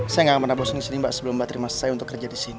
saya gak pernah bosen disini mbak sebelum mbak terima saya untuk kerja disini